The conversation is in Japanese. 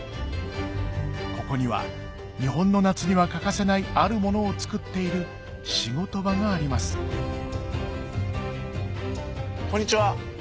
ここには日本の夏には欠かせないあるものを作っている仕事場がありますこんにちは。